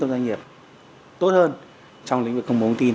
cho doanh nghiệp tốt hơn trong lĩnh vực công bố thông tin